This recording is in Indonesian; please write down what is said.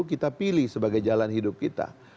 kita pilih sebagai jalan hidup kita